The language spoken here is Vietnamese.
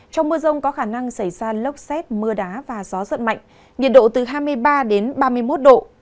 trong mưa rông có khả năng xảy ra lốc xét mưa đá và gió giật mạnh nhiệt độ từ hai mươi ba đến ba mươi một độ